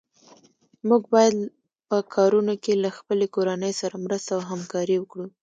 موږ باید په کارونو کې له خپلې کورنۍ سره مرسته او همکاري وکړو.